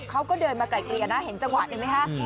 เขาก็เดินมาไกลเกลี่ยนะเห็นจังหวะหนึ่งไหมฮะ